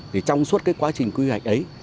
thì trong suốt cái quá trình quy hoạch ấy